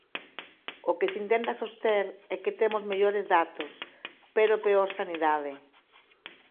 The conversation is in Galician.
O que se intenta soster é que temos mellores datos, pero peor sanidade.